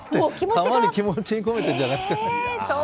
球に気持ちを込めているんじゃないですか。